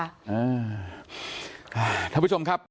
อ้าวท่านผู้ชมครับ